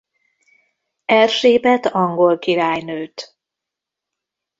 Erzsébet angol királynőt.